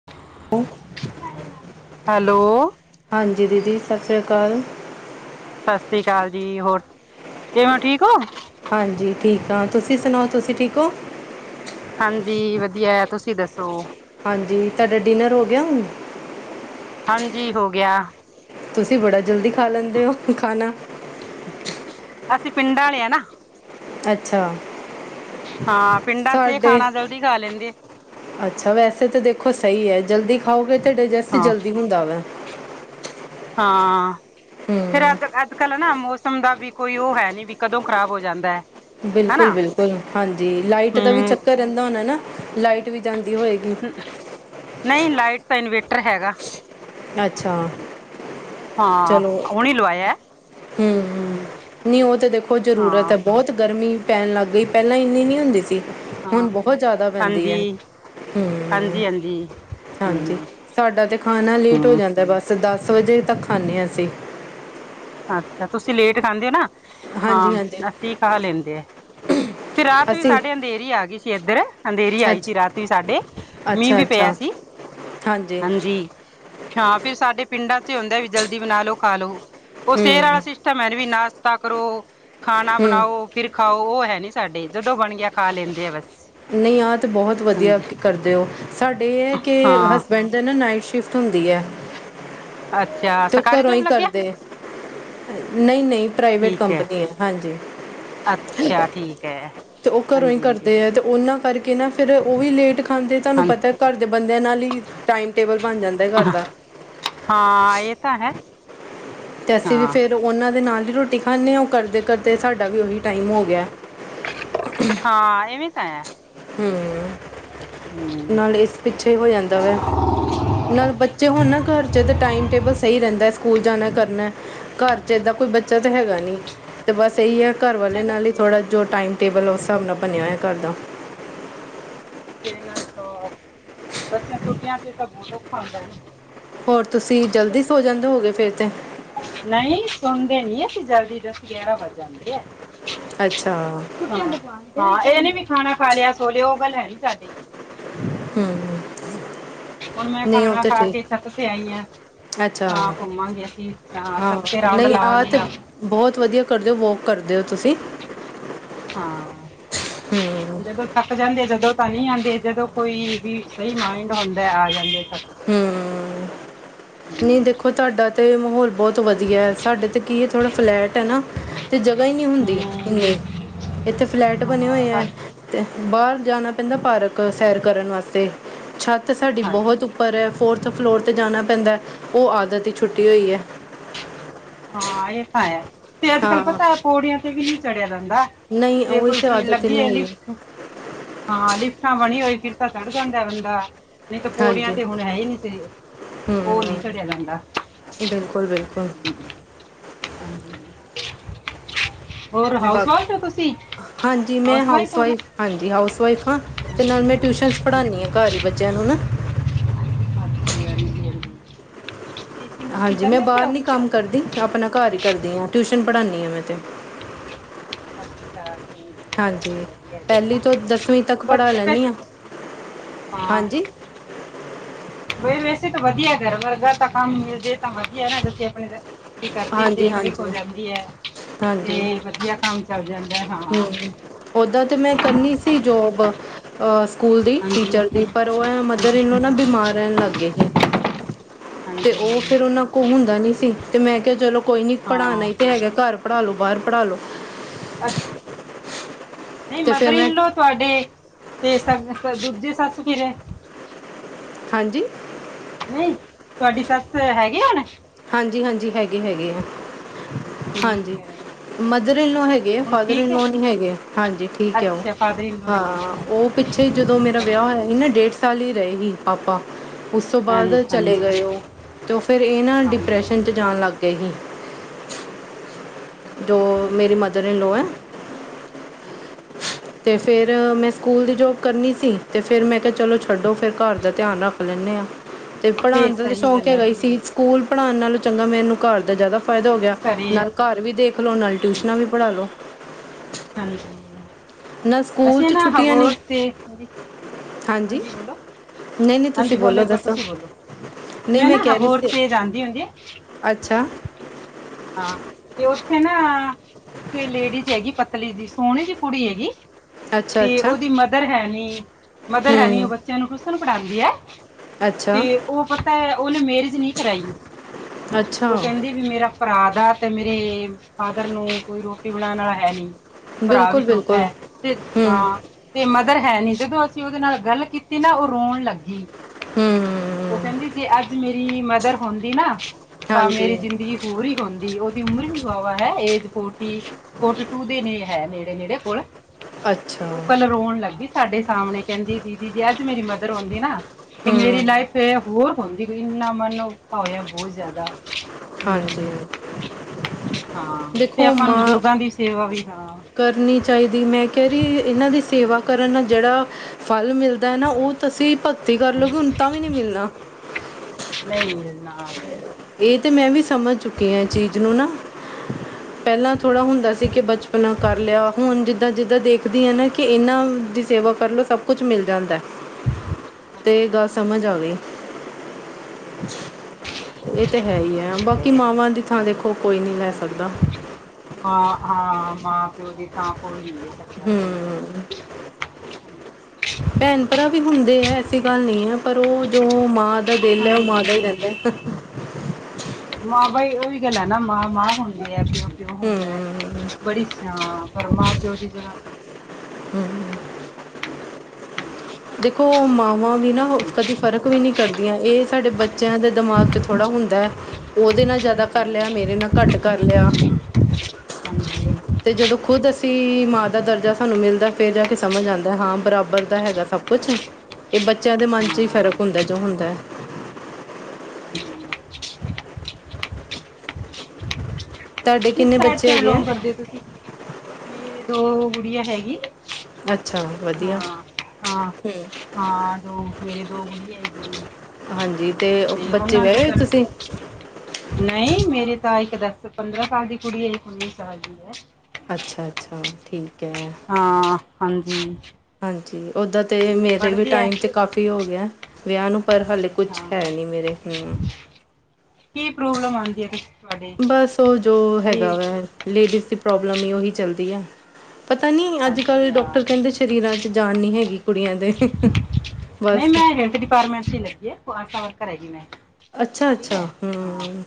[unintelligible] Hello- ਹਾਂਜੀ ਦੀਦੀ, ਸਤਿ ਸ਼੍ਰੀ ਅਕਾਲ। ਸਤਿ ਸ੍ਰੀ ਅਕਾਲ ਜੀ, ਹੋਰ ਕਿਵੇ ਠੀਕ ਹੋ? ਹਾਂਜੀ ਠੀਕ ਹਾਂ, ਤੁਸੀ ਸੁਣਾਓ ਤੁਸੀ ਠੀਕ ਹੋ? ਹਾਂਜੀ ਵਧੀਆ, ਤੁਸੀ ਦਸੋ? ਹਾਂਜੀ, ਤੁਹਾਡਾ ਡਿਨਰ ਹੋ ਗਿਆ ਹੁਣ? ਹਾਂਜੀ, ਹੋ ਗਿਆ। ਤੁਸੀ ਬੜਾ ਜਲਦੀ ਖਾ ਲੈਂਦੇ ਹੋ, ਖਾਣਾ। ਅਸੀ, ਪਿੰਡਾਂ ਵਾਲੇ ਆ ਨਾ। ਅੱਛਾ। ਹਾਂ, ਪਿੰਡਾਂ 'ਚ ਇਹ ਸਾਡੇ ਖਾਣਾ ਜਲਦੀ ਖਾ ਲੈਦੇ ਆ। ਅੱਛਾ ਵੈਸੇ ਤੇ ਦੇਖੋ ਸਈ ਐ ਜਲਦੀ ਖਾਓਗੇ ਤੇ ਡਾਇਜੈਸਟ ਹਾਂ ਜਲਦੀ ਹੁੰਦਾ ਵਾ। ਹਾਂ, ਫੇਰ ਹਮ ਐਦ ਐਦ ਕਲਰ ਨਾ ਮੋਸਟ ਮੋਸਮ ਦਾ ਵੀ ਕੋਈ ਓ ਹੈ ਨੀ ਵੀ ਕਦੋਂ ਖਰਾਬ ਹੋ ਜਾਦਾ ਐ। ਬਿਲਕੁਲ- ਬਿਲਕੁਲ ਹਾਂਜੀ ਲਾਈਟ ਦਾ ਵੀ ਹਮ ਚੱਕਰ ਰੈਂਦਾ ਹੋਨਾ ਨਾ ਲਾਈਟ ਵੀ ਜਾਦੀ ਹੋਏਗੀ। ਨਈ ਲਾਈਟ ਤਾਂ ਇਨਵੇਟਰ ਹੈਗਾ। ਅਛਾ। ਹਾਂ, ਹੁਣ ਈ ਲਵਾਇਐ। ਹੂੰ ਨਈ ਓ ਤੇ ਦੇਖੋ ਜਰੂਰਤ ਹਾਂ ਹੈ ਬੌਤ। ਗਰਮੀ ਪੈਨ ਲੱਗ ਗਈ ਪੈਲਾਂ ਇਨੀ ਨੀ ਹੁੰਦੀ ਸੀ ਹਾਂ ਹੁਨ ਬਹੋ ਜਿਆਦਾ ਪੈਂਦੀ ਐ ਹਾਂਜੀ ਹੂੰ। ਹਾਂਜੀ ਹਾਂਜੀ ਹਾਂਜੀ, ਹਮ ਸਾਡਾ ਤੇ ਖਾਨਾ ਲੇਟ ਹੋ ਹਮ ਜਾਂਦਾ ਬਸ ਦਸ ਵਜੇ ਤਕ ਖਾਨੇ ਆ ਅਸੀ। ਅੱਛਾ ਤੁਸੀ ਲੇਟ ਖਾਂਦੇ ਓ ਨਾ ਹਾਂਜੀ ਹਾਂਜੀ ਹਾਂ ਅਸੀ ਖਾ ਲੇੰਦੇ ਐ। ਫੇਰ ਰਾਤ ਵੀ ਅਸੀਂ ਸਾਡੇ ਅੰਧੇਰੀ ਆ ਗੀ ਸੀ ਏਦਰ ਅੰਧੇਰੀ ਅੱਛਾ ਆਈ ਸੀ ਰਾਤੀ ਸਾਡੇ ਮੀਂਹ ਅੱਛਾ ਵੀ ਪਿਆ ਅੱਛਾ ਸੀ ਹਾਂਜੀ। ਹਾਂ ਫਿਰ ਸਾਡੇ ਪਿੰਡਾਂ 'ਚ ਹੋਂਦਾ ਵੀ ਜਲਦੀ ਬਨਾ ਲੋੋ ਖਾ ਲੋ। ਓ ਸੇਰ ਆਲਾ ਹਮ ਸਿਸ਼ਟਮ ਐਨ ਵੀ ਨਾਸ਼ਤਾ ਕਰੋ ਖਾਨਾ ਹਮ ਬਨਾਓ। ਫਿਰ ਖਾਓ ਓ ਹੈ ਨੀ ਸਾਡੇ ਜਦੋ ਬਣ ਗਿਆ ਖਾ ਲੈਂਦੇ ਆ ਬਸ ਨਈ ਆ ਤੇ ਬਹੁਤ ਵਧੀਆ ਹਾਂਜੀ ਕਰਦੇ ਓ ਸਾਡੇ ਏ ਹੈ ਕਿ ਹਾਂ ਹਸਬੈੰਡ ਦੀ ਨਾ ਨਾਈਟ ਸ਼ਿਫਟ ਹੁੰਦੀ ਐ। ਅੱਛਾ ਤੋ ਸਰਕਾਰੀ ਘਰੋ ਜੋਬ ਈ ਲੱਗਿਆ ਕਰਦੇ ਐ? ਨਈ -ਨਈ ਪ੍ਰਾਈਵੇਟ ਕੰਪਨੀ ਹੈ ਹਾਂਜੀ। ਅੱਛਾ ਠੀਕ ਐ। ਤੇ ਓ ਘਰੋ ਈ ਕਰਦੇ ਐ ਤੇ ਓਨਾ ਕਰਕੇ ਨਾ ਫੇਰ ਓ ਵੀ ਲੇਟ ਖਾਂਦੇ ਤਾਨੂੰ ਹਾਂ ਪਤਾ ਘਰ ਦੇ ਬੰਦਿਆਂ ਨਾਲ ਈ ਟਾਈਮ ਟੇਬਲ ਬਨ ਜਾਂਦੈ ਘਰ ਦਾ। ਹਾਂ ਏ ਤਾ ਹੈ। ਤੇ ਅਸੀ ਵੀ ਹਾਂ ਫਿਰ ਓਨਾ ਦੇ ਨਾਲ ਈ ਰੋਟੀ ਖਾਨੇ ਆ ਕਰਦੇ- ਕਰਦੇ ਸਾਡਾ ਵੀ ਓਹੀ ਟਾਈਮ ਹੋ ਗਿਆ। ਹਾਂ ਏਂਵੇ ਤਾ ਹੈ। ਹੁੰ ਹੂੰ ਨਾਲੇ ਇਸ ਪਿੱਛੇ ਹੋ ਜਾਂਦਾ ਵਾ। ਨਾਲ ਬੱਚੇ ਹੋਨ ਨਾ ਘਰ ਚ ਤੇ ਟਾਈਮ ਟੇਬਲ ਸਈ ਰੈਂਦਾ ਏ ਸਕੂਲ ਜਾਨਾ ਕਰਨੈ। ਘਰ ਚ ਏਦਾਂ ਕੋਈ ਬੱਚਾ ਤੇ ਹੈਗਾ ਨਈ ਤੇ ਬਸ ਏਈ ਐ ਘਰ ਵਾਲੇ ਬੱਚਿਆਂ ਨਾਲ ਈ ਥੋੜ੍ਹਾ ਕਰਕੇ ਜੋ ਟਾਈਮ ਟੇਬਲ ਓਸ ਸਾਬ ਨਾਲ ਬਣਿਆ ਹੋਇਆ ਘਰ ਦਾ। ਕਿੰਨਾ ਸਾਫ ਓ ਬੱਚਿਆਂ ਛੁੱਟੀਆਂ ਚ ਤਾਂ ਬੌਤ ਔਖਾ ਹੁੰਦਾ ਏ ਨਾ। ਹੋਰ ਤੁਸੀ ਜਲਦੀ ਸੋ ਜਾਂਦੇ ਹੋਗੇ ਫੇਰ ਤੇ? ਨਈ ਸੋਂਦੇ ਨੀ ਅਸੀ ਜਲਦੀ ਦਸ, ਗਿਆਰਾਂ ਵੱਜ ਜਾਂਦੇ ਐ। ਅੱਛਾ। ਹਾਂ ਏ ਨੀ ਵੀ ਖਾਣਾ ਖਾ ਲਿਆ ਸੋਲੇਓ ਓ ਗੱਲ ਹੈ ਨੀ ਤਾਡੀ। ਹੁੰ। ਹੁਨ ਮੈਂ ਖਾਣਾ ਖਾ ਕੇ ਛੱਤ ਤੇ ਆਈ ਆਂ। ਅੱਛਾ ਹਾਂ ਘੁੰਮਾਂਗੇ ਅਸੀ ਹਾਂ ਛੱਤ ਪੇ ਰਾਉਂਡ ਨਹੀਂ ਆਹ ਲਾਵਾਂਗੀ ਤੇ ਅੱਜ। ਬਹੁਤ ਵਧੀਆ ਕਰਦੇ ਓ ਵੋਕ ਕਰਦੇ ਓ ਤੁਸੀ। ਹਾਂ। ਹਮ ਜਦੋਂ ਥੱਕ ਜਾਂਦੇ ਜਦੋਂ ਤਾਂ ਨੀ ਆਂਦੇ ਜਦੋ ਕੋਈ ਵੀ ਸਹੀ ਮਾਇੰਡ ਹੁੰਦੈ ਆ ਜਾਂਦੇ। ਸਕਦੇ ਘੁੰਮ ਲੈਂਦੇ ਆ। ਨਈ ਹੂੰ ਦੇਖੋ ਤਾਡਾ ਤੇ ਮਾਹੌਲ ਬੌਤ ਵਧੀਐ ਸਾਡੇ ਤਾ ਕੀ ਏ ਥੋੜ੍ਹਾ ਫਲੈਟ ਐ ਨਾ। ਤੇ ਜਗ੍ਹਾ ਈ ਨੀ ਹੁੰਦੀ ਹਾਂ ਇੰਨੀ ਏਥੇ ਫਲੈਟ ਬਨੇ ਹੋਏ ਸਾ ਐ। ਤੇ ਬਾਰ ਹਾਂ ਜਾਨਾ ਪੈਂਦਾ ਪਾਰਕ ਸੈਰ ਕਰਨ ਵਾਸਤੇ ਛਤ ਤਾਂ ਸਾਡੀ ਅੱਛਾ ਬਹੁਤ ਉੱਪਰ ਹੈ ਫੋਰਥ ਫਲੋਰ ਤੇ ਜਾਣਾ ਪੈਂਦਾ ਉਹ ਆਦਤ ਛੁੱਟੀ ਹੋਈ ਹੈ ਅੱਛਾ ਹਾਂ ਇਹ ਤਾਂ ਹੈ ਤੇ ਅਜ ਕੱਲ ਹਾਂ ਪਤਾ। ਪੋੜਿਆਂ ਤੇ ਵੀ ਨਹੀਂ ਚੜਿਆ ਜਾਂਦਾ ਨਹੀਂ ਜੇ ਉਹੀ ਤਾਂ ਕੋਈ [unintelligible] ਆਦਤ ਹੀ ਲਗੀ ਨਹੀਂ ਹੈ ਹੈਗੀ ਲਿਫਟ। ਹਾਂ ਲਿਫਟਾਂ ਬਣੀ ਹੋਈ [unintelligible] ਤਾਂ ਚੜ ਜਾਂਦਾ ਬੰਦਾ। ਨਹੀਂ ਤਾਂ ਪੌੜੀਆਂ ਹਾਂਜੀ ਤੇ ਹੁਣ ਹੈ ਹੀ ਨਹੀਂ ਸੀ ਉਹ ਨਹੀਂ ਹੂੰ ਚੜੀਆ ਜਾਂਦਾ। ਬਿਲਕੁਲ ਬਿਲਕੁਲ। [inaudible] ਬਾਕੀ ਵਾਈਫ ਹੋ ਤੁਸੀਂ ਹਾਂਜੀ ਮੈਂ ਹਾਊਸ ਵਾਈਫ ਹੋ ਹਾਊਸਵਾਈਫ। ਹਾਂਜੀ ਹਾਊਸ ਵਈਫ ਹਾਂ ਅਤੇ ਹਾਂਜੀ ਨਾਲ ਮੈਂ ਟਿਊਸ਼ਨਸ ਹਾਂਜੀ ਪੜ੍ਹਾਉਂਦੀ ਹਾਂ ਘਰ ਹੀ ਬੱਚਿਆਂ ਨੂੰ ਨਾ ਹਾਂਜੀ ਹਾਂਜੀ ਟੀਚਿੰਗ ਤੁਸੀਂ ਹਾਂਜੀ ਕਰ ਮੈਂ ਲੈਂਦੇ ਬਾਹਰ ਹੋ ਨੀ ਕੰਮ ਕਰਦੀ ਆਪਣਾ ਘਰ ਹੀ ਕਰਦੀ ਹਾਂ ਟਿਊਸ਼ਨ ਪੜ੍ਹਾਉਂਦੀ ਹਾਂ ਮੈਂ ਤੇ ਅੱਛਾ ਹਾਂਜੀ ਪਹਿਲੀ ਤੋਂ ਦਸਵੀਂ ਤੱਕ ਪੜ੍ਹਾ [unintelligible] ਲੈਂਦੀ ਹਾਂ ਹਾਂ। ਹਾਂਜੀ ਵੈਸੇ ਤਾਂ ਵਧੀਆ ਘਰ ਵਰਗਾ ਤਾਂ ਕੰਮ ਮਿਲਦੇ ਤਾਂ ਵਧੀਆ ਨਾ [unintelligible] ਵੀ ਘਰਦੀ ਵੀ ਹਾਂਜੀ ਦੇਖ ਰੇਖ ਹੋ ਹਾਂਜੀ ਜਾਂਦੀ ਹੈ ਤੇ ਹਾਂਜੀ ਵਧੀਆ ਕੰਮ ਚੱਲ ਜਾਂਦਾ ਹਾਂ। ਹਮ ਓਦਾਂ ਤੇ ਮੈਂ ਹਾਂ ਕਰਨੀ ਸੀ। ਜੋਬ ਸਕੂਲ ਦੀ ਹਾਂਜੀ ਟੀਚਰ ਦੀ ਪਰ ਉਹ ਐ ਮਦਰ ਹਾਂਜੀ ਇਨ ਨਾ ਬਿਮਾਰ ਰਹਿਣ ਲੱਗ ਗਏ ਸੀ ਤੇ ਉਹ ਹਾਂਜੀ ਫਿਰ ਉਹਨਾਂ ਉਹ ਹੁੰਦਾ ਨੀ ਸੀ ਤੇ ਮੈਂ ਕਿਹਾ ਚਲੋ ਕੋਈ ਨੀ ਪੜਾਣਾ ਹਾਂ ਈ ਤੇ ਹੈਗਾ ਘਰ ਪੜ੍ਹਾ ਲੋ ਬਾਹਰ ਪੜ੍ਹਾ ਲੋ। ਅੱਛਾ। [inaudible] ਨਹੀਂ ਤੇ ਫਿਰ ਮਦਰ ਮੈਂ ਇਨ ਲਓ ਤੁਹਾਡੇ ਤੇ ਦੂਜੇ ਸੱਸ ਕਿਹੜੇ ਹਾਂਜੀ। ਨਹੀਂ ਤੁਹਾਡੀ ਸੱਸ ਹੈਗੀ ਹੁਣੇ। ਹਾਂਜੀ ਹਾਂਜੀ ਹੈਗੇ ਹੈਗੇ ਆ। ਠੀਕ ਹਾਂਜੀ ਹੈ। ਮਦਰ ਇਨਲੋਅ ਹੈਗੇ ਹੁਣ ਫਾਦਰ ਠੀਕ ਹੈ ਇਨਲੋਅ ਨਹੀਂੀ ਹੈਗੇ ਹਾਂਜੀ ਠੀਕ ਹੈ ਉਹ ਅੱਛਾ ਫਾਦਰ ਇਨ ਲੋ ਨਹੀਂ ਹੈ ਹਾਂ। ਉਹ ਠੀਕ ਹੈ ਪਿੱਛੇ ਜਦੋਂ ਮੇਰਾ ਵਿਆਹ ਹੋਇਆ ਸੀ ਹਾਂਜੀ ਨਾ ਡੇਟ। ਢੇਰ ਸਾਲ ਹੀ ਰਹੇ ਸੀ ਪਾਪਾ ਉਸ ਤੋਂ ਬਾਅਦ ਹਾਂਜੀ ਚਲੇ ਗਏ ਹਾਂਜੀ ਹੋ ਤੇ ਫੇਿਰ ਇਹ ਨਾ ਡਿ- ਹਾਂਜੀ ਡਿਪਰੈਸ਼ਨ ਚ ਜਾਣ ਲੱਗ ਗਏ ਸੀ। [inaudible] ਜੋ ਮੇਰੀ ਮਦਰ ਇਨ ਲੋਅ ਹੈ। ਹਾਂਜੀ ਹਾਂਜੀ ਅਤੇ ਫਿਰ ਮੈਂ ਸਕੂਲ ਦੀ ਜੋਬ ਕਰਨੀ ਸੀ ਤੇ ਫਿਰ ਮੈਂ ਕਿਹਾ ਚਲੋ ਛੱਡੋ ਹਾਂ ਫਿਰ ਘਰ ਦਾ ਧਿਆਨ ਰੱਖ ਲੈਂਦੇ ਹਾਂ ਤੇ ਫਿਰ ਪੜ੍ਹਾਉਣ ਦਾ ਤਾਂ ਸਹੀ ਸ਼ੌਕ ਗੱਲ ਹੈ ਹੈਗਾ ਹੀ ਫਿਰ ਸੀ ਸਕੂਲ ਪੜ੍ਹਾਉਣ ਨਾਲੋਂ ਚੰਗਾ ਮੈਨੂੰ ਘਰ ਦਾ ਜ਼ਿਆਦਾ ਫਾਇਦਾ ਹੋ ਗਿਆ ਘਰੇ ਨਾਲ ਘਰ ਵੀ ਦੇਖ ਲਓ ਨਾਲੇ ਹਾਂਜੀ ਟਿਊਸ਼ਨਾਂ ਵੀ ਪੜ੍ਹਾ ਲਉ ਹਾਂਜੀ ਨਾ ਸਕੂਲ ਅਸੀਂ ਚ ਨਾ ਛੁੱਟੀਆਂ ਨੇ ਹਬੋਰ ਤੇ ਹਾਂਜੀ ਬੋਲੋ ਨਹੀਂ ਨਹੀਂ ਹਾਂਜੀ ਤੁਸੀਂ ਬੋਲੋ ਇੱਕ ਵਾਰ ਦੱਸੋ ਤੁਸੀਂ ਬੋਲੋ ਨਹੀਂ ਮੈਂ ਨਾ ਕਹਿ ਰਹੀ ਹਬੋਰ ਸੀ ਤੇ ਜਾਂਦੀ ਹੁੰਦੀ ਆ ਅੱਛਾ ਹਾਂ ਤੇ ਉੱਥੇ ਨਾ ਇੱਕ ਲੇਡੀਜ਼ ਹੈਗੀ ਪਤਲੀ ਜੀ ਸੋਹਣੀ ਜਿ ਕੁੜੀ ਹੈਗੀ ਅੱਛਾ ਤੇ ਅੱਛਾ ਉਹਦੀ ਮਦਰ ਹੈ ਨੀ ਮਦਰ ਹੈ ਨੀ ਉਹ ਹੂੰ ਬੱਚਿਆਂ ਨੂੰ ਟੂਸਸ਼ਨ ਪੜ੍ਹਾਉਂਦੀ ਹੈ ਤੇ ਅੱਛਾ ਉਹ ਪਤਾ ਹੈ ਉਹਨੇ ਮੈਰਿਜ ਨਹੀਂ ਕਰਾਈ ਅੱਛਾ ਉਹ ਕਹਿੰਦੀ ਵੀ ਮੇਰਾ ਭਰਾ ਦਾ ਤੇ ਮੇਰੇ ਫਾਦਰ ਨੂੰ ਕੋਈ ਰੋਟੀ ਬਣਾਉਣ ਵਾਲਾ ਹੈ ਨੀ ਭਰਾ ਵੀ ਬਿਲਕੁਲ ਛੋਟਾ ਬਿਲਕੁਲ ਐ ਤੇ ਹੂੰ ਹਾਂ ਤੇ ਮਦਰ ਹੈਨੀ ਜਦੋਂ ਅਸੀਂ ਓਦੇ ਨਾਲ ਗੱਲ ਕੀਤੀ ਨਾ ਓ ਰੋਨ ਲਾਗੀ। ਹੂੰ ਓ ਕੈਂਦੀ ਜੇ ਅੱਜ ਮੇਰੀ ਮਦਰ ਹੁੰਦੀ ਨਾ ਤਾਂ ਹਾਂਜੀ ਮੇਰੀ ਜ਼ਿੰਦਗੀ ਪੂਰੀ ਹੁੰਦੀ ਓਦੀ ਉਮਰ ਵੀ ਵਾਵਾ ਐ ਏਜ ਫੋਟੀ ਫੋਟੀ ਟੂ ਦੇ ਨੇ ਹੈ ਨੇੜੇ-ਨੇੜੇ ਕੋਲ ਤੇ ਅੱਛਾ ਓ ਕੱਲ ਰੋਨ ਲਾਗੀ। ਸਾਡੇ ਸਾਮਨੇ ਕੈਂਦੀ ਦੀਦੀ ਜੇ ਅੱਜ ਮੇਰੀ ਮਦਰ ਹੁੰਦੀ ਨਾ ਤੇ ਮੇਰੀ ਹੂੰ ਲਾਈਫ ਏ ਹੋਰ ਹੁੰਦੀ ਕੋਈ ਇੰਨਾ ਮਨ ਔਖਾ ਹੋਏਆ ਬਹੁ ਜ਼ਿਆਦਾ ਹਾਂਜੀ ਹੂੰ, ਹਾਂ ਤੇ ਦੇਖੋ ਆਪਾਂ ਨੂੰ ਮਾਂ ਬਜ਼ੁਰਗਾਂ ਦੀ ਸੇਵਾ ਵੀ ਹਾਂ ਕਰਨੀ ਚਾਈਦੀ ਮੈਂ ਕੈ ਰਈ ਏਨਾਂ ਦੀ ਸੇਵਾ ਕਰਨ ਨਾਲ ਜੇੜਾ ਫਲ ਮਿਲਦਾ ਨਾ ਓ ਓ ਤੁਸੀਂ ਭਗਤੀ ਕਰਲੋਗੇ ਹੁਨ ਤਾਂ ਵੀ ਨੀ ਮਿਲਨਾ। ਨਈਂ ਨਾ ਏ ਤੇ ਮੈਂ ਵੀ ਸਮਜ ਚੁੱਕੀ ਆ ਏ ਚੀਜ਼ ਨੂੰ ਨਾ। ਪੈਲਾਂ ਥੋੜਾ ਹੁੰਦਾ ਸੀ ਕੇ ਬਚਪਨਾ ਕਰ ਲੇਆ ਹੁਨ ਜਿੱਦਾਂ-ਜਿੱਦਾਂ ਦੇਖਦੀ ਆ ਨਾ ਕੇ ਏਨਾਂ ਦੀ ਸੇਵਾ ਕਰਲੋ ਸਬ ਕੁਛ ਮਿਲ ਜਾਂਦਾ। ਸਬ ਅਤੇ ਕੁਛ ਮਿਲ ਗੱਲ ਸਮਝ ਜਾਂਦੈ। ਆ ਗਈ ਏ ਤੇ ਹੈਈ ਐ, ਬਾਕੀ ਮਾਵਾਂ ਦੀ ਥਾਂ ਦੇਖੋ ਕੋਈ ਨੀ ਲੈ ਸਕਦਾ। ਹਾਂ-ਹਾਂ ਮਾਂ-ਪਿਓ ਦੀ ਥਾਂ ਕੋਈ ਨੀ ਦੇ ਸਕਦਾ ਹੂੰ, ਸਈ ਐ। ਭੈਨ ਭਰਾ ਵੀ ਹੁੰਦੇ ਐ ਐਸੀ ਗੱਲ ਨਈ ਐ ਪਰ ਓ ਜੋ ਮਾਂ ਮਾਂ ਦਾ ਦਿਲ ਐ ਓ ਮਾਂ ਦਾ ਈ ਹਾਂਜੀ ਰੈਂਦਾ। ਮਾਂ ਬਾਈ ਓਹੀ ਗੱਲ ਐ ਨਾ ਮਾਂ-ਮਾਂ ਹੁੰਦੀ ਐ ਪਿਓ-ਪਿਓ ਹੁੰਦਾ। ਹੂੰ ਬੜੀ ਸਾਂ ਪਰ ਮਾਂ-ਪਿਓ ਦੀ ਜਗਾਂ [inaudible] [inaudible] ਦੇਖੋ ਮਾਵਾਂ ਵੀ ਨਾ ਕਦੀ ਫਰਕ ਵੀ ਨੀ ਕਰਦੀਆਂ ਏ ਸਾਡੇ ਬੱ ਬੱਚੇਆਂ ਦੇ ਦਮਾਗ ਚ ਥੋੜਾ ਹੁੰਦਾ, ਓਦੇ ਨਾਲ ਜਾਦਾ ਕਰ ਲੇਆ ਮੇਰੇ ਨਾਲ ਘੱਟ ਕਰ ਲੇਆ, ਹਾਂਜੀ ਤੇ ਜਦੋਂ ਖੁਦ ਅਸੀਂ ਵੀ ਮਾਂ ਦਾ ਦਰਜਾ ਸਾਨੂੰ ਮਿਲਦਾ ਫੇਰ ਜਾ ਕੇ ਸਮਜ ਆਂਦਾ ਹਾਂ ਬਰਾਬਰ ਦਾ ਹੈਗਾ ਸਬ। ਕੁਛ ਨੀ ਏ ਬੱਚੇਆਂ ਦੇ ਮਨ ਚ ਈ ਹਾਂ ਫ਼ਰਕ ਹੁੰਦਾ ਜੋ ਹੁੰਦਾ। ਹਾਂਜੀ ਤੁਹਾਡੇ ਕਿਸ ਕਿੰਨੇ ਸਾਈਡ ਬੱਚੇ ਤੋਂ ਹੈਗੇ ਆ ਬਿਲੋਂਗ ਕਰਦੇ ਓਂ ਤੁਸੀਂ, ਮੇਰੇ ਦੋ ਗੁੜੀਆਂ ਹੈਗੀ। ਅੱਛਾ। ਵਧੀਆ ਹੂੰ ਹਾਂ-ਹਾਂ-ਹਾਂ ਦੋ ਮੇਰੇ ਦੋ ਗੁੜੀਆ ਹੈਗੀ। ਹਾਂਜੀ ਤੇ ਬੱਚੇ ਵਿਆਏ ਹੋਏ ਤੁਸੀਂ। ਨਈਂ ਮੇਰੀ ਤਾਂ ਇੱਕ ਦਸ ਪੰਦਰਾਂ ਸਾਲ ਦੀ ਕੁੜੀ ਐ ਇਕ ਉੱਨੀ ਸਾਲ ਦੀ ਐ। ਅੱਛਾ-ਅੱਛਾ ਠੀਕ ਐ। ਹਾਂ ਹਾਂਜੀ। ਹਾਂਜੀ ਓਦਾਂ ਤੇ ਮੇਰੇ ਵੀ ਪੜ੍ਹਦੀ ਹੈ ਟਾਈਮ ਤੇ ਕਾਫੀ ਹੋ ਗੇਆ। ਵਿਆਅ ਨੂੰ ਪਰ ਹਾਲੇ ਕੁਛ ਹਾਂ ਹੈ ਨੀ ਮੇਰੇ ਹੂੰ। ਕੀ ਪ੍ਰੋਬਲਮ ਆਈ ਐ [unintelligible] ਬਸ ਓ ਜੋ ਹੈਗਾ ਵਾ ਲੇਡੀਜ਼ ਦੀ ਪ੍ਰੋਬਲਮ ਈ ਓਹੀ ਚੱਲਦੀ ਐ। ਪਤਾ ਨੀ ਅੱਜ-ਕੱਲ ਅੱਛਾ ਡੋਕਟਰ ਕੈਂਦੇ ਸਰੀਰਾਂ ਚ ਜਾਨ ਨੀ ਹੈਗੀ। ਕੁੜੀਆਂ ਦੇ ਨਈਂ ਬਸ ਮੈਂ ਹੈਲਥ ਡਿਪਾਟਮੈਂਟ ਚ ਈ ਲੱਗੀ ਐ। ਪੋਹਾ ਸਾਫ ਕਰ ਹੈਗੀ ਮੈਂ ਅੱਛਾ ਠੀਕ ਐ ਅੱਛਾ ਹਾਂ। ਹੂੰ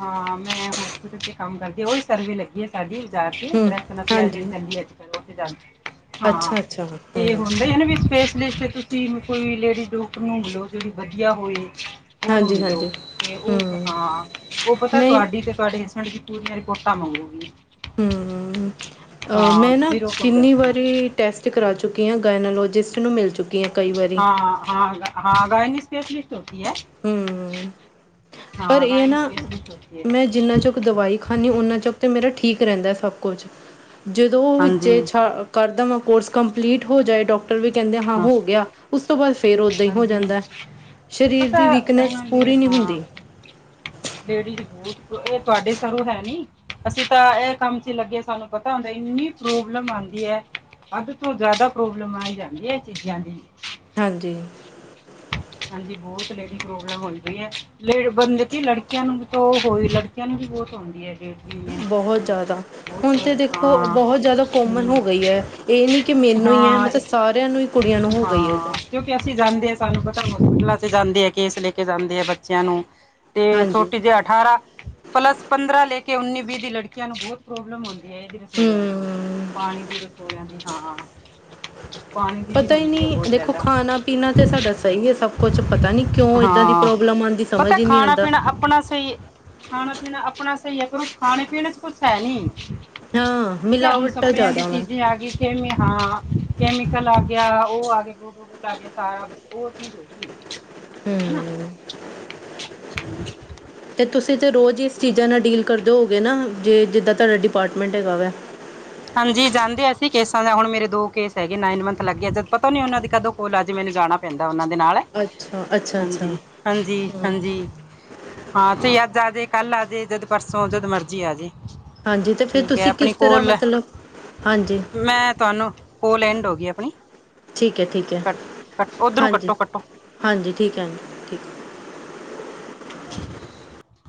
ਹਾਂ ਮੈਂ ਹੋਸਪਿਟਲ ਚ ਕੰਮ ਕਰਦੀ ਓਈ ਸਰਵੇ ਲੱਗੀ ਐ। ਸਾਡੀ ਓਥੇ ਜਾ ਕੇ ਹੂੰ ਬਰੈਕਨਸ ਐ ਹਾਂਜੀ ਜੇੜੀ ਕੈਂਦੀ ਅੱਜ-ਕੱਲ ਓਥੇ ਜਾਂਦੀ। ਹਾਂ ਅੱਛਾ ਅੱਛਾ ਏ ਹੂੰ ਹੁੰਦੇ ਐ ਨੇ ਵੀ ਸਪੇਸ਼ਲਿਸਟ 'ਤੇ ਤੁਸੀਂ ਕੋਈ ਲੇਡੀਜ਼ ਡਾਕਟਰ ਨੂੰ ਲਓ ਜਿਹੜੀ ਵਧੀਆ ਹੋਵੇ। ਉਹਨੂੰ ਹਾਂਜੀ ਮਿਲੋ ਹਾਂਜੀ ਤੇ ਉਹ ਹੂੰ ਹਾ ਉਹ ਪਤਾ ਨਹੀਂ ਤੁਹਾਡੀ ਤੇ ਤੁਹਾਡੇ ਹ, ਹੁਣ ਦੀਜੀ ਤੂ ਮੇਰੀ ਰਿਪੋਰਟਾਂ ਮੰਗੂਗੀ। ਹੂੰ ਅਹ ਮੈਂ ਨਾ ਕਿੰਨੀ ਵਾਰੀ, ਟੈਸਟ ਕਰਾ ਚੁੱਕੀਆਂ ਹ ਗਾਇਨਾਲੋਜਿਸਟ ਨੂੰ ਮਿਲ ਚੁੱਕੀ। ਹਾਂ ਕਈ ਵਾਰੀ ਹਾਂ, ਹਾਂ, ਹਾਂ ਗਾਇਨੀ ਸਪੇਸ਼ਲਿਸਟ ਹੋਤੀ ਹੈ। ਹੂੰ ਹੂੰ। ਪਰ ਇਹ ਨਾ ਮੈਂ ਜਿੰਨਾ ਚੁੱਕ ਦਵਾਈ ਖਾਦੀ ਹਾ। ਹਾਂਜੀ ਉਹਨਾਂ ਚੁਕ ਮੇਰਾ ਠੀਕ ਰਹਿੰਦਾ ਸਭ ਕੁਝ ਜਦੋਂ ਵਿੱਚੇ ਛੱਡ ਕਰਨ ਓਹ ਕੋਰਸ ਕੰਪਲੀਟ ਹੋ ਜਾਏ ਡਾਕ ਵੀ ਕਹਿੰਦੇ ਹਾਂ ਹੋ ਗਿਆ ਉਸ ਤੋਂ ਬਾਅਦ ਫੇਰ ਓਦਾਂ ਹੀ ਹੋ ਜਾਂਦਾ। ਸਰੀਰ ਦੀ ਵੀਕਨੈਸ ਪੂਰੀ ਨਹੀਂ ਹੁੰਦੀ। ਲੇਡੀਜ਼ ਬੂ ਇਹ ਤੁਹਾਡੇ ਸਰੋ ਹੈ ਨੀ ਅਸੀਂ ਤਾਂ ਇਹ ਕੰਮ ਚ ਲੱਗੇ ਸਾਨੂੰ ਪਤਾ ਸਾਨ ਤੇ ਇੰਨੀ ਪ੍ਰੋਬਲਮ ਆਉਂਦੀ ਹੈ ਹਧ ਤੋਂ ਜਿਆਦਾ ਪ੍ਰੋਬਲਮ ਆਈ ਜਾਂਦੀ ਹੈ। ਚੀਆਂ ਨੇ। ਹਾਂਜੀ। ਹਾਂਜੀ ਬਹੁਤ ਲੇਡੀ ਪ੍ਰੋਬਲਮ ਹੋਈ ਪਈ ਹੈ। ਲ ਬੰਲ ਕਿ ਲੜਕੀਆਂ ਨੂੰ ਵੀ ਤੇ ਹੋਈਹੈ ਲੜਕੀਆਂ ਨੂੰ ਵੀ ਬਹੁਤ ਹਉਂਦੀ ਹੈ। ਲੇਡੀ ਐਨਸੀ ਬਹੁਤ ਦੀ ਜ਼ਿਆਦਾ, ਹੁਣ ਬਹੁਤ ਤੇ ਪ੍ਰੋ- ਦੇਖੋ ਹਾਂ ਬਹੁਤ ਜ਼ਿਆਦਾ ਕੋਮਨ ਹਮ, ਹੋ ਗਈ ਹੈ। ਇਹ ਨੀ ਕਿ ਮੈਨੂੰ ਹੀ ਹੈ ਹਾਂ ਮਤਲਬ ਇੱਕ ਸਾਰਿਆਂ ਨੂੰ ਹਿ ਹਾਂ। ਕਿਉਂਕਿ ਅਸੀਂ ਜਾਂਦੇ ਹਾਂ ਸਾਨੂੰ ਪਤਾ ਹੋਸਪਿਟਲਾਂ 'ਤੇ ਜਾਂਦੇ ਆ ਕੇਸ ਲੈ ਕੇ ਜਾਂਦੇ ਹੈ ਬੱਚਿਆਂ ਨੂੰ, ਤੇ ਹਾਂਜੀ ਛੋਟੀ ਜਿਹੀ ਅਠਾਰਾਂ ਪਲੱਸ ਪੰਦਰਾਂ ਲੈ ਕੇ ਉੱਨੀ ਵੀਹ ਦੀ ਲੜਕੀਆਂ ਨੂੰ ਬਹੁਤ, ਪ੍ਰੋਬਲਮ ਹੁੰਦੀ ਹੈ ਇਹਦੀ ਰਸੋਲੀਆਂ ਦੀ ਹਮ ਪਾਣੀ ਦੀ ਰਸੋਲੀਆਂ ਦੀ ਹਾਂ ਪਾਣੀ ਦੀ ਵੀ ਪਤਾ ਹੀ ਹੁੰਦੀ ਹੈ ਨਹੀਂ ਬਹੁਤ ਦੇਖੋ ਜ਼ਿਆਦਾ ਖਾਣਾ ਪੀਣਾ ਤੇ ਸਾਡਾ ਸਹੀ ਹੈ ਸਭ ਕੁਛ ਪਤਾ ਨੀ ਕਿਉਂ ਏਦਾਂ ਦੀ ਹਾਂ ਪ੍ਰੋਬਲਮ ਆਉਂਦੀ ਪਤਾ ਸਮਝ ਹੀ ਨਹੀਂ ਖਾਣਾ ਆਉਂਦਾ ਪੀਣਾ ਆਪਣਾ ਸਹੀ। ਖਾਣਾ ਪੀਣਾ ਆਪਣਾ ਸਹੀ ਹੈ ਪਰ ਖਾਣੇ ਪੀਣ ਚ ਕੁਛ ਹੈ ਨਹੀਂ। ਹਾਂ ਠੀਕ ਹੈ, ਹੁਣ ਮਿਲਾਵਟਾਂ ਸਪਰਿਆਂ ਦੀ ਜ਼ਿਆਦਾ ਵਾ ਚੀਜ਼ਾ ਆ ਗਈ ਕਿਵੇ ਹਾਂ ਕੈਮੀਕਲ, ਆ ਗਈ। ਗਿਆ ਉਹ ਆ ਗਿਆ ਗੋਡੋ ਕੋਲ ਆ ਗਿਆ ਸਾਰਾ ਬਸ ਉਹ ਚੀਜ਼ ਹੋ ਗਈ ਹਨਾ ਹਮ ਹੂੰ ਅਤੇ ਤੁਸੀਂ ਤਾਂ ਰੋਜ਼ ਇਸ ਚੀਜ਼ਾਂ ਨਾਲ ਡੀਲ ਕਰਦੇ ਹੋਵੋ ਗੇ ਨਾ ਜੇ ਜਿੱਦਾਂ ਤੁਹਾਡਾ ਡਿਪਾਰਟਮੈਂਟ ਹੈਗਾ ਵਾ। ਹਾਂਜੀ ਜਾਂਦੇ ਅਸੀਂ ਕੇਸਾਂ ਦਾ ਹੁਣ ਮੇਰੇ ਦੋ ਕੇਸ ਹੈਗੇ ਨਾਈਨ ਮੰਥ ਲੱਗਗੇ ਆ ਜਦ ਪਤਾ ਨੀ ਉਹਨਾਂ ਦੀ ਕਦੋਂ, ਉਹਨਾਂ ਦੇ ਅਜ ਮੈਨੂੰ ਜਾਣਾ ਪੈਂਦਾ ਓਨਾ ਦੇ ਨਾਲ ਅੱਛਾ ਅੱਛਾ ਅੱਛਾ ਹਾਂਜੀ, ਹਾਂਜੀ, ਹਮ ਹਾਂਜੀ। ਹਾਂ ਅੱਜ ਆਜੇ, ਕੱਲ ਆਜੇ ਜਦ ਪਰਸੋਂ ਜਦ ਮਰਜੀ ਆ ਜੇ। ਹਾਂਜੀ ਤੇ ਫਿਰ ਠੀਕ ਹੈ ਤੁਸੀਂ ਆਪਣੀ ਕਿਸ ਤਰ੍ਹਾਂ ਕੋਲ ਮਤਲਬ, ਹਾਂਜੀ ਮੈਂ ਤੁਹਾਨੂੰ ਪੋਲੈਂਡ ਹੋ ਗਈ ਆਪਣੀ ਠੀਕ ਹੈ ਠੀਕ ਹੈ ਕੱਟ ਕੱਟ ਉੱਧਰੋਂ ਹਾਂਜੀ ਕੱਟੋ ਕੱਟੋ। ਹਾਂਜੀ ਠੀਕ ਹੈ ਜੀ। [unintelligible]